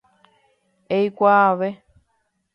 Eikuaave.